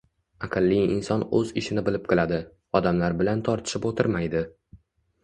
Aqlli inson o‘z ishini bilib qiladi, odamlar bilan tortishib o‘tirmaydi